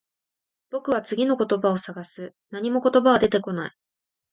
僕は次の言葉を探す。何も言葉は出てこない。